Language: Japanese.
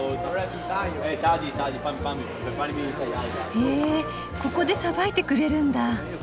へえここでさばいてくれるんだ。